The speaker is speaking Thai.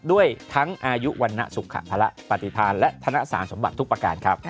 ด้วยทั้งอายุวรรณสุขภาระปฏิพาณและธนสารสมบัติทุกประการครับ